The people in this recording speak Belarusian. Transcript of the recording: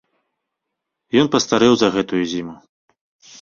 Ён пастарэў за гэтую зіму.